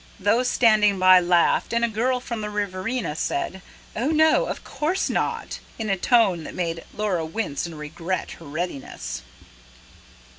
Those standing by laughed, and a girl from the Riverina said: "Oh, no, of course not!" in a tone that made Laura wince and regret her readiness.